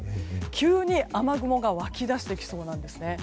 急に雨雲が湧き出してきそうなんですね。